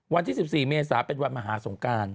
วันที่๑๔เมษาเป็นวันมหาสงการ